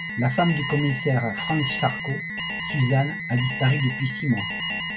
La femme du commissaire Franck Sharko, Suzanne, a disparu depuis six mois.